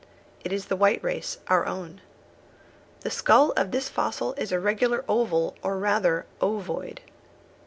It is the white race, our own. The skull of this fossil is a regular oval, or rather ovoid.